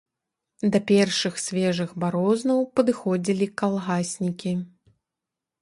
Да першых свежых барознаў падыходзілі калгаснікі.